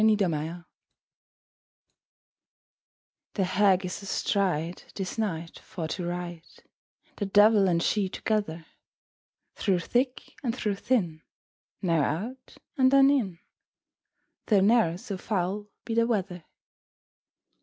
THE HAG The Hag is astride, This night for to ride, The devil and she together; Through thick and through thin, Now out, and then in, Though ne'er so foul be the weather.